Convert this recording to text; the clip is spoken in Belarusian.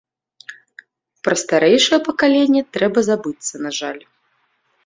Пра старэйшае пакаленне трэба забыцца, на жаль.